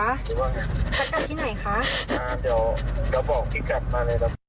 อ่าเดี๋ยวเราบอกพี่กลับมาเลยแหละ